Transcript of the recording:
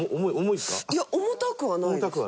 いや重たくはないです。